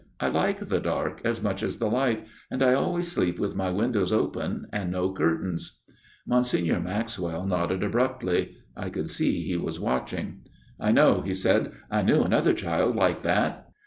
' I like the dark as much as the light, and I always sleep with my windows open and no curtains/ ' Monsignor Maxwell nodded abruptly. I could see he was watching. " I know," he said. " I knew another child like that."